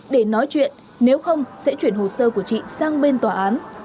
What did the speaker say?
để nói chuyện nếu không sẽ chuyển hồ sơ của chị sang bên tòa án